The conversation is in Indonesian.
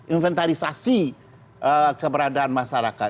inventarisasi keberadaan masyarakat